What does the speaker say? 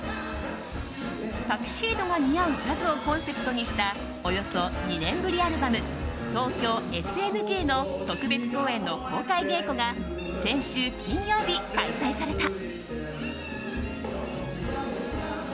「タキシードが似合うジャズ」をコンセプトにしたおよそ２年ぶりアルバム「東京ＳＮＧ」の特別公演の公開稽古が先週金曜日、開催された。